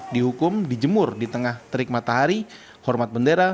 dihukum dijemur di tengah terik matahari hormat bendera